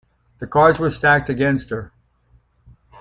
The cards were stacked against her.